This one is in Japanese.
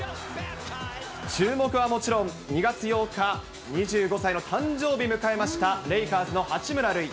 注目はもちろん、２月８日、２５歳の誕生日迎えました、レイカーズの八村塁。